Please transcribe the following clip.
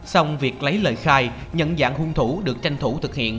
xong việc lấy lời khai nhận dạng hung thủ được tranh thủ thực hiện